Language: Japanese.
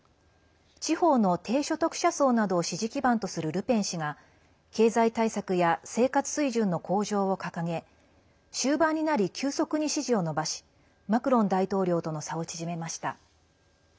地方の低所得者層などを支持基盤とするルペン氏が経済対策や生活水準の向上を掲げ終盤になり急速に支持を伸ばしマクロン大統領との差を縮めました。